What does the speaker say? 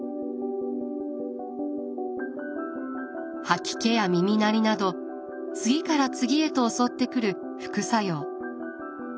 吐き気や耳鳴りなど次から次へと襲ってくる副作用。